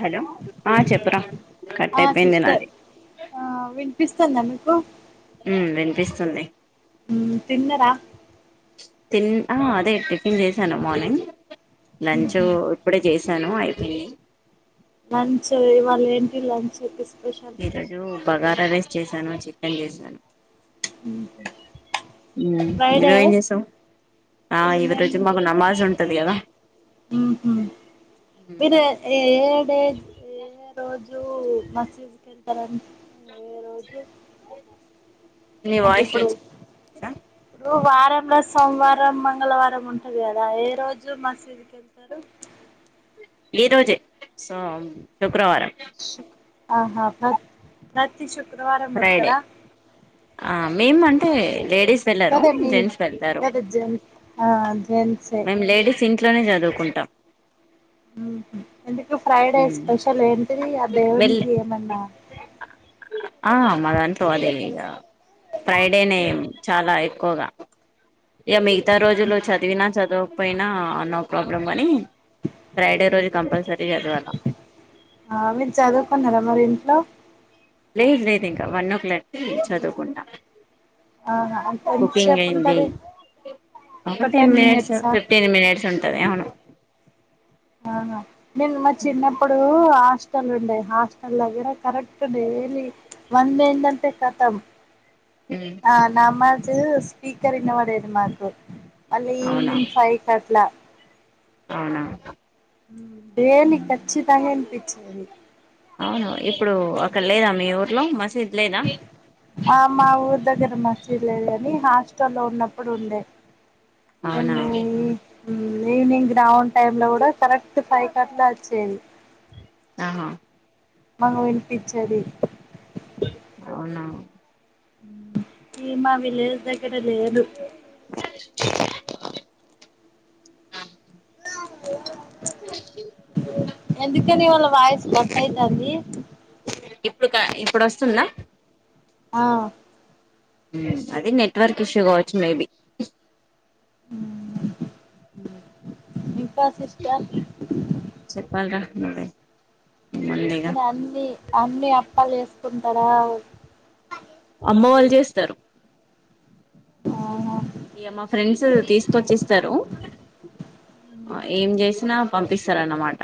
Hello ఆ చెప్పురా cut అయిపోయింది నాది పిస్తాంద మీకు ఉ వినిపిస్తుంది ఉ తిన్నరా తిన్ అ అదే టిఫిన్ చేశాను మార్నింగ్ లంచ్ ఇప్పుడే చే సాను అయిపోయి లంచ్ ఇవాళ ఏంటి లంచ్ స్పెషల్ ఈ రోజు బగారా రైస్ చేశాను చికెన్ చేశాను ఉహు ఉ ఈరోజెం ఏం చేశావ్ ఏమేమి మీరు ఏడే ఏ రోజు రూ మసీదుకి వెళ్తారు ఏ రోజు నీ అంటే వాయిస్ ఇప్పుడు వచ్చి ఇప్పుడు వారంలో సోమవారం మంగళవారం ఉంటది కదా ఏ రోజు మసీదు కెళ్తారు ఈ రోజే సోం శుక్రవారం ఆహా ప్ర ప్రతి శుక్రవారం ఫ్రైడే వెళ్తారా ఆ మేము అంటే లేడీస్ వెళ్లరు కదా మీ జెంట్స్ వెళ్తారు కదా జెంట్స్ ఆ జెంట్సే మేము లేడీస్ ఇంట్లోనే చదువుకుంటాం ఉహు ఎందుకు ఫ్రైడే ఉమ్ స్పెషల్ ఏంటిది ఆ వెళ్ దేవునికి ఏమన్నా ఆ మా దాంట్లో అది ఇగ ఫ్రైడేనే చాలా ఎక్కువగా ఇగ మిగతా ఊహు. రోజులు చదివినా చదవకపోయినా నో ప్రాబ్లం గానీ ఫ్రైడే రోజు కంపల్సరి ఆ మీరు జదువుకొన్నారా మరి ఇంట్లో లేదు లేదు ఇంకా వన్ ఓ క్లాక్కి చదువుకుంట ఆహా అంత కుకింగ్ ఎంతసేపు అయింది ఉంటది ఒక టెన్ మినిట్స్ ఫిఫ్టీన్ మినిట్స్ ఉంటది అవును అవును నేను మా చిన్నప్పుడు ఆ హాస్టల్ ఉండయి హాస్టల్లో దగ్గర కరెక్ట్ లీ వన్ అయిందంటే కతం ఆ నామజ్ స్పీకర్ ఇనపడేది మాకు అల్ అవునా ఈవ్నింగ్ ఫైవ్ కట్లా అవునా దేలి ఖచ్చితంగా వినిపించిది అవును ఇప్పుడు అక్కడ లేదా మీ ఊర్లో మసీద్ లేదా ఆ మా ఊరు దగ్గర మసీదు లేదు కాని హాస్టల్లో లో ఉన్నప్పుడు ఉండే మేము అవునా పోయి ఉం ఈవినింగ్ గ్రౌండ్ టైమ్ లో కూడా కరెక్ట్ ఫైవ్ కట్ల వచ్చేది ఆ ఆ వినిపిచది అవునా ఈ మా విలేజ్ దగ్గర లేదు అంత ఎందుకని వాళ్ళ వాయిసు కట్ అయితంధి ఇప్పుడు క ఇప్పుడు వస్తుందా ఆ ఉం అది నెట్వర్క్ ఇష్యూ కావచ్చు మేబి అ ఇంకా సిస్టర్ చెప్పాలి రా నువ్వే మెల్లిగా మీరు అన్ని అన్ని అప్పాలు చేసుకుంటారా అమ్మ వాళ్ళు చేస్తారు ఆహా ఇగ మా ఫ్రెండ్స్ తీసుకొచ్చిస్తారు ఏం చేసినా పంపిస్తారన్నమాట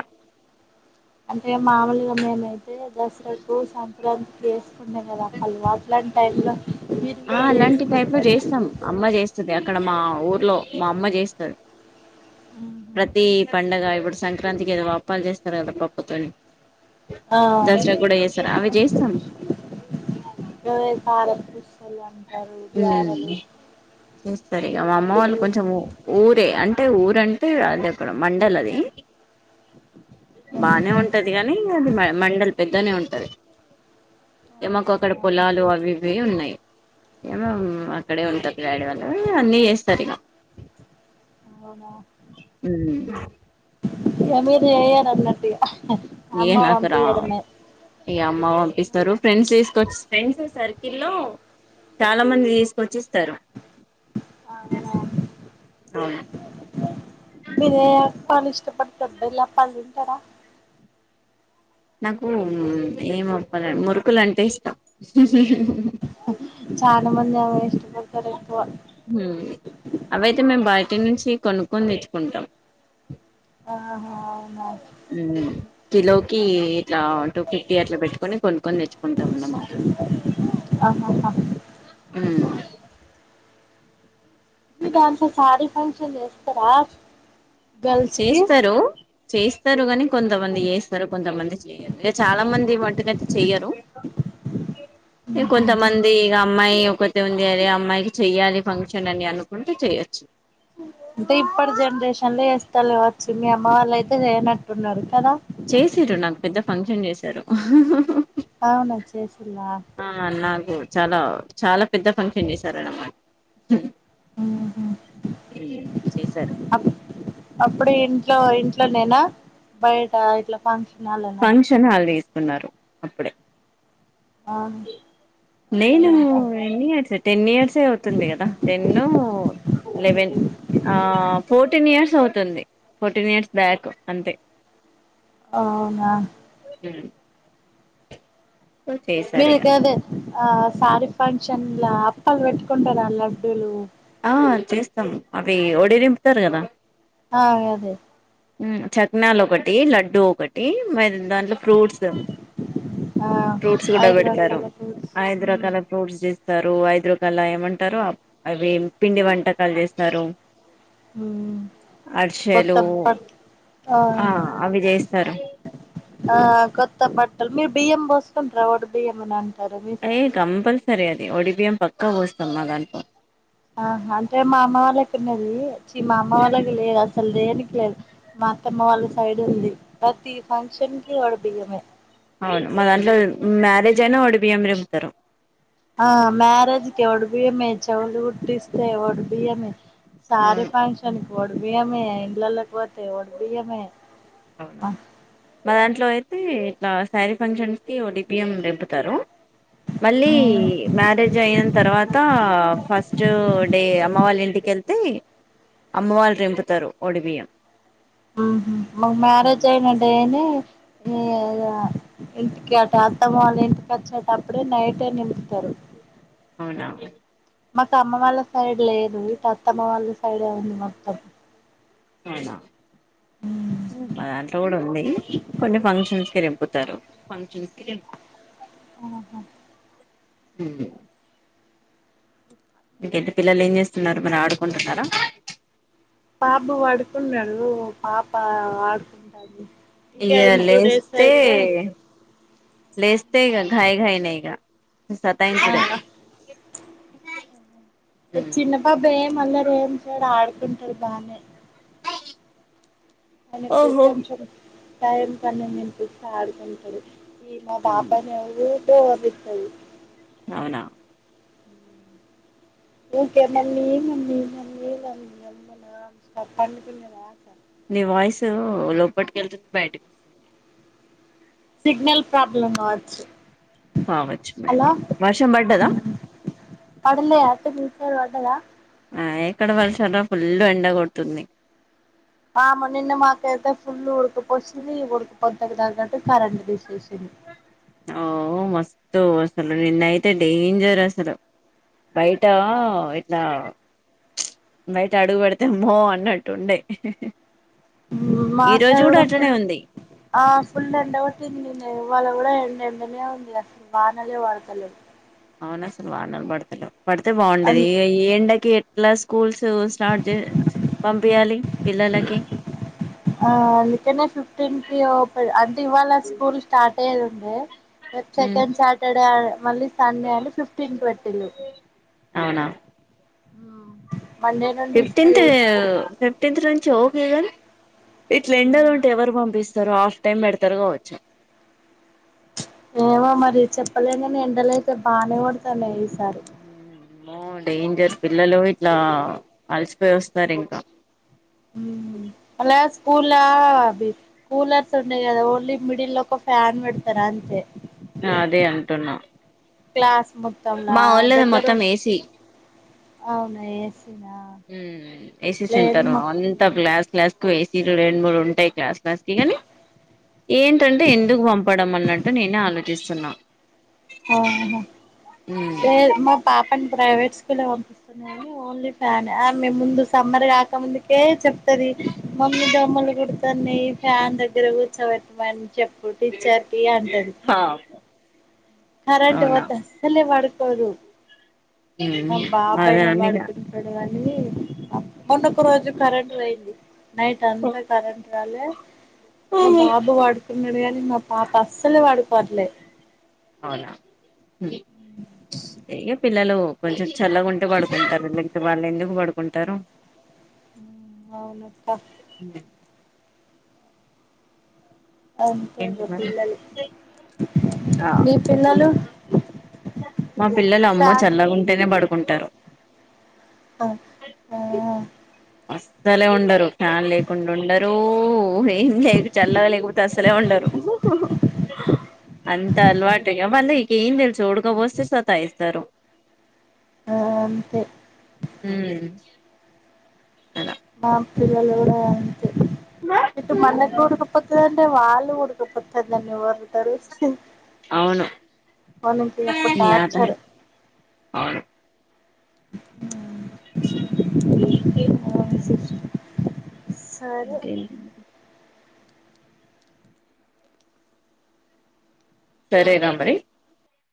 అంటే మామూలుగా మేమైతే దసరాకు సంక్రాంతి కి కదా అల వాట్లాంటి టైమ్ లో ఆ అలాంటి టైప్ లో చేస్తాం అమ్మ చేస్తుది అక్కడ మా ఊరు లో మా అమ్మ చేస్తాది ప్రతి ప పండగా ఇప్పుడు సంక్రాంతికి ఏదో అప్పాలు చేస్తారు కదా పప్పుతోని ఆ దసరా కూడా చేస్తారా అవి చేస్తాం ే సాల [unintelligible] ఉం చేస్తరు ఇగ మా అమ్మ వాళ్ళు కొంచెం ఊరే అంటే అంటే ఊరంటే అది అక్కడ మండల్ అది బానే ఉంటది కానీ అది మ మండల్ పెద్దనే ఉంటది మాకు అక్కడ పొలాలు అవి ఇవి ఉన్నాయి ఏమో అక్కడే ఉంటది డాడి వాళ్ళు అన్నీ చేస్తారు ఇక అవునా ఉం ఇగ మీరు చెయ్యరు అన్నట్టు ఇగ ఏ అమ్మ నాకు రా పంపియడమే ఇగ అమ్మ పంపిస్తరు ఫ్రెండ్స్ తీసుకొచ్చ ఇస్తే ఫ్రెండ్స్ సర్కిల్ లో చాలా మంది తీసుకొచ్చిస్తారు అవును మీరే పని ఇష్టపడుతుద్ద ఇలా పని తింటడా [unintelligible] నాకు ఏమప్పాలు మురుకులు అంటే ఇష్టం చాలా మంది అవే ఇష్ట పడతారు ఉం అవైతే మేము బయటి నుంచి కొనుక్కొని తెచ్చుకుంటాం ఆహా అవునా కిలోకి ఇట్లా టూ ఫిఫ్టీ అట్లా పెట్టుకని కొనుకొని తెచ్చుకుంటాంన్నమాట ఆహాహా ఉ మీ దాంట్లో సారీ ఫంక్షన్ చేస్తారా గర్ల్స్ కి చేస్తారు చేస్తారు కాని కొంతమంది చేస్తారు కొంతమంది చేయరు ఇక చాలా మంది మటుకు అయితే చెయ్యరు ఈ మ్హూ. కొంతమంది ఇగ అమ్మాయి ఒకతే ఉంది అరే అమ్మాయికి చెయ్యాలి ఫంక్షన్ అని అనుకుంటే చెయొచ్చు అంటే ఇప్పటి జనరేషన్ లో చేస్తాండ్రు కావచ్చు మీ అమ్మ వాళ్ళు అయితే చేయనట్టున్నారు కదా చేసిండ్రు నాకు పెద్ద ఫంక్షన్ చేసారు అవునా చేసిండ్రా నాకు చాలా చాలా పెద్ద ఫంక్షన్ చేసారు అన్నమాట ఉ హు చేశారు అప్పుడు ఇంట్లో ఇట్ ఇంట్లో నేనా బయట ఇట్లా ఫంక్షన్ హాల్లోనా ఫంక్షన్ హాల్ తీస్తున్నారు అప్పుడే అవును నేను ఎన్ ఇయర్స్ టెన్ ఇయర్సే అవుతుంది కదా టెన్ లెవెన్ ఆ ఫోర్టీన్ ఇయర్స్ అవుతుంది ఫోర్టీన్ ఇయర్స్ బ్యాక్ అంతే అవునా ఉ మీరు ఇగ గదే ఆ సారీ ఫంక్షన్ల అప్పలు పెట్టుకుంటారా లడ్డూలు ఆ చేస్తాం అవి ఒడిరింపుతారు కదా ఆ అదే చట్నాలు ఒకటి లడ్డూ ఒకటి దాంట్లో ఫ్రూట్స్ ఆ ఫ్రూట్స్ కూడా ఐదు పెడతారు రకాల ఫ్రూట్స్ ఐదు మ్మ్ రకాల ఫ్రూట్స్ చేస్తారు ఐదు రకాల ఏమంటారు అవి పిండి వంటకాలు చేస్తారు ఉ కొత్త అరిసెలు ప ఆ అవి చేస్తారు ఆ కొత్త బట్టలు అసలు మీరు బియ్యం పోసుకుంటారా బియ్యం అలా అయ్యి కంపల్సరీ అది ఒడి బియ్యం పక్కా పోస్తాం మా దాంట్లో ఆ అంటే మా అమ్మ వాళ్ళు ఉన్నది చి మా అమ్మ వాళ్ళకి లేదు అసలు దేనికి లేదు మా మా అత్తమ్మ సైడ్ ఉంది ప్రతి ఫంక్షన్ కి ఒడిబియ్యమే అవును మా దాంట్లో మ్యారేజ్ అయినా ఒడి బియ్యం నింపుతారు ఆ మ్యారేజ్ కి ఒడిబియ్యమే చెవులు కొట్టించిన ఓడిబియ్యమే సారీ అవును ఫంక్షన్ ఒడిబియ్యమే ఇండ్లలకు పోతే ఒడిబియ్యమే అవునా మా దాంట్లో అయితే శారీ ఫంక్షన్ కి ఒడి బియ్యం నింపుతారు మళ్ళీ మ్యారేజ్ అయిన తర్వాత ఫస్ట్ నెక్స్ట్ డే అమ్మ వాళ్ళ ఇంటికెళ్తే అమ్మ వాళ్ళు నింపుతారు ఓడి బియ్యం ఉహు మా మ్యారేజ్ అయిన డే ఈగ ఇంటికి అటే అత్తమ్మ వాళ్ళ ఇంటికి వచ్చేటప్పుడే నైటే నింపుతారు అవునా అండి మాకు అమ్మ వాళ్ళ సైడ్ లేదు ఇటు అత్తమ్మ వాళ్ళ సైడే ఉంది మొత్తం అవునా దాంట్లో కూడా ఉంది కొన్ని ఫంక్షన్స్ నింపుతారు ఫంక్షన్ కి ఉ హు హమ్ ఇంకేంటి పిల్లలు ఏం చేస్తున్నారు మరి ఆడుకుంటున్నారా బాబు పొడుకున్నాడు పాప ఆడుకుంటాంది ఇంకా ఇగా టూ డేస్ లేస్తే అయితే లేస్తే ఇగ ఘయి ఘాయి నెగా ఈసారి టైం ఆ చుడండి దై చిన్న బాబు ఏం అల్లరి ఏం చేయడు ఆడుకుంటాడు బానే మనకు ఓహో కొంచెం టైం కనీ వినిపిస్తా ఆడుకుంటాడు ఈ మా పాపనే ఉరికే ఊరికిస్తది అవునా ఊరికే మల్లి మల్లి మల్లి ఉండాల్సివా పడుకునేదాకా నీ వాయిసు లోపటికీ వెళ్తుంది బయటకు వస్తుంది సిగ్నల్ ప్రాబ్లమ్ కావచ్చు కావచ్చు హలో మేబి వర్షం పడ్డదా పడలే అంటే మీకూడా పడదా ఆ ఎక్కడ వర్షంరా ఫుల్లు ఎండ కొడుతుంది ఆమ నిన్న మాకతే ఫుల్ ఉడకపోస్తుంది ఉడుకుపో నికి తగ్గాటు కరెంటు తీసేసిండు ఓ మస్తు అసలు నిన్నయితే డేంజర్ అసలు బైట ఇట్లా బయట అడుగు పెడితె ఆమ్మో అన్నట్టు ఉండే మా సైడ్ ఫుల్ ఆ ఫుల్ ఎండకోటింది ఇవల్ల కూడా ఎండనే ఉంది అసల్ వనలే పడతాలేదు అవున అసలు వానలు పడుతలే పడితే బాగుండది అన్ ఏ ఎండకి ఇట్లా స్కూల్స్ స్టార్ట్ చే పంపియాలి పిల్లలకి ఆ అందుకనే ఫిఫ్టీన్ కి అంటే ఇవాళ స్కూల్ స్టార్ట్ అయ్యేదుంది రేప్ ఉమ్ సెకండ్ సాటర్డే మళ్ళీ సండే అని ఫిఫ్టీన్ పెట్టిలు అవునా ఆ ఫిఫ్టీన్త్ ఫిఫ్టీన్త్ నుండ్ ఓకేగానీ ఇట్ల ఎండలుంటే ఎవరు పంపిస్త సారు హాఫ్ టైమ్ పెడతారు కావచ్చు ఏమో మరి చెప్పలేగాని ఎండల అయితే బానే కొడుతున్నాయి ఈస్ ఆమ్మో డేంజర్ పిల్లలు యి ఇలా అలసిపోయి వస్తారు ఇంకా హ్మ్ అలాస్ కూల అది కూలర్స్ ఉండేయి కదా ఓన్లీ మిడిల్ ఒక ఫ్యాన్ పెడతారా అంతే అదే అంటున్న క్లాస్ మొత్తంలా మా వొళ్ళది దగ్గర మొత్తం ఉన్ ఏసి అవునా ఏసీనా హ్మ్ ఏసీ లేదు సెంటర్ మా అంత గ్లాస్ క్లాస్ కు ఏసిలు రెండు మూడు ఉంటాయి క్లాస్ క్లాస్ కి గాని ఏంటంటే ఎందుకు పంపడం అన్నట్టు నేనే ఆలోచిస్తున్నా ఆహ ఉమ్ లె మ పాపను ప్రైవేట్ లా పంపిస్తున్నాయిని ఓన్లీ ఫ్యాన్ మే ముందు సమ్మర్ కాక ముందుకే చెప్తుది మమ్మీ దమ్మలు గుడాతనై ఫ్యాన్ దగ్గర కూర్చోబెట్టమని చెప్పు టీచ్చర్కి అంటది కరంటు అవునా ఒతది అసలే వడుకోదు ఉమ్ మా అదే బాబాయిన అని ఇగ వడుకుంటడు కాని పాప్ నను ఒక రోజు కరెంట్ పోయింది నైట్ అంతా కరెంటు రాలే మా బాబు వడుకున్నడు గాని మా పాప అస్సలే వడుకోవట్లే ఏ ఇగ పిల్లలు కొంచెం చల్లగుంటే వడుకుంటారు లేకపోతే వాళ్ళు ఎందుకు పడుకుంటారు ఊ అవునక్క ఏంటి అంతేగా మరి పిల్లలు ఆ మీ పిల్లలు మా పిల్లలు సా అమ్మో చల్లగుంటేనే బడుకుంటరు. అ ఆ ఆ అస్సలే ఉండరు ఫాన్ లేకుండ ఉండరు ఏం లేద్ చల్లగ లేకపోతే అస్ అంత అలవాటు ఇగ మరి నీకు ఏం తెలుసు ఉడకపోస్తే సతయిస్తరు. అంతే ఊ అలా మా పిల్లలు కూడా అంతె ఇపుడు మన్నకురుకు పోత అంటే వాళ్ళు ఉడకపోతదనే ఒర్రుతరు అవును [unintelligible] అప్పుడు నీ ఆత టార్చర్ అవును అవును ఏం పేర్ సరే ఇంకేటిది ఇంక సరేరా మరి